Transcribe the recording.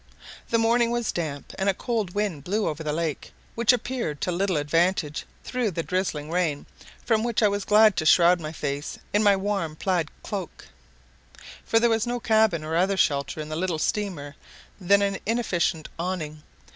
The morning was damp, and a cold wind blew over the lake, which appeared to little advantage through the drizzling rain, from which I was glad to shroud my face in my warm plaid cloak, for there was no cabin or other shelter in the little steamer than an inefficient awning.